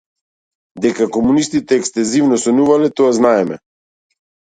Дека комунистите екстензивно сонувале - тоа знаеме.